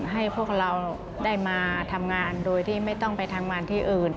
ให้พวกเราได้มาทำงานโดยที่ไม่ต้องไปทำงานที่อื่น